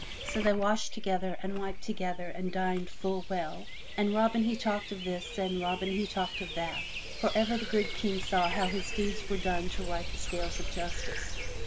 So they washed together and wiped together and dined full well, and Robin he talked of this and Robin he talked of that, and ever the good King saw how his deeds were done to right the scales of justice.